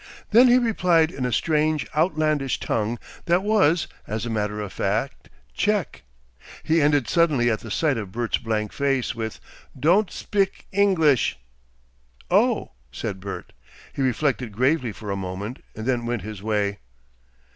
Then he replied in a strange outlandish tongue that was, as a matter of fact, Czech. He ended suddenly at the sight of Bert's blank face with "Don't spik English." "Oh!" said Bert. He reflected gravely for a moment, and then went his way.